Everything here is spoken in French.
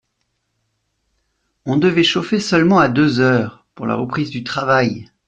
On devait chauffer seulement à deux heures, pour la reprise du travail.